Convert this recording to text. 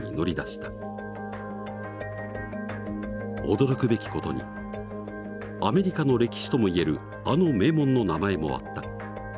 驚くべき事にアメリカの歴史ともいえるあの名門の名前もあった。